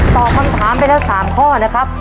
ตอบคำถามไปแล้ว๓ข้อนะครับ